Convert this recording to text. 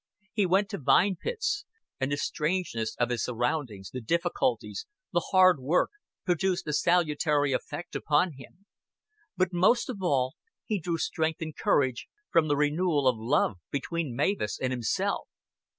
He went to Vine Pits, and the strangeness of his surroundings, the difficulties, the hard work, produced a salutary effect upon him; but most of all he drew strength and courage from the renewal of love between Mavis and himself.